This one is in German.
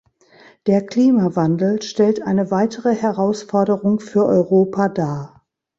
Der Klimawandel stellt eine weitere Herausforderung für Europa dar.